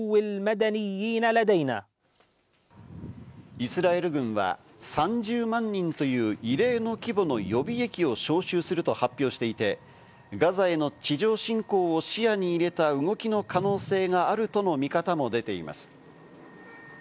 イスラエル軍は３０万人という異例の規模の予備役を招集すると発表していて、ガザへの地上侵攻を視野に入れた動きの可能性があるとの見方も出ています。